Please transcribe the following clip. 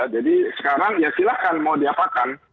jadi sekarang ya silahkan mau diapakan